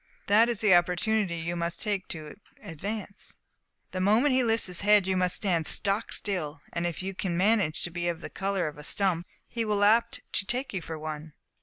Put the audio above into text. That is the opportunity you must take to advance. The moment he lifts his head you must stand stock still; and if you can manage to be of the colour of a stump, he will be apt to take you for one."